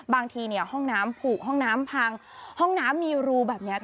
บางทีเนี่ยห้องน้ำผูกห้องน้ำพังห้องน้ำมีรูแบบนี้